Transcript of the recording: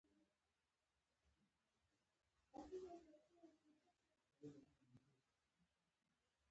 تولیدونکي له هر ډول منظمې برنامې پرته توکي تولیدوي